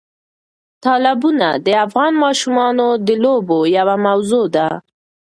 تالابونه د افغان ماشومانو د لوبو یوه موضوع ده.